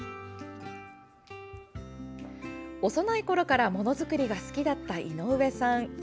幼いころからものづくりが好きだった井上さん。